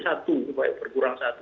supaya berkurang satu